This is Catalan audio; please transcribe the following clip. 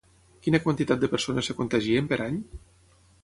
Quina quantitat de persones es contagien per any?